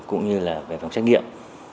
cũng như là về phòng xét nghiệm